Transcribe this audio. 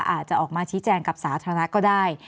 อาจจะออกมาชี้แจงกับสาธารณะก็ได้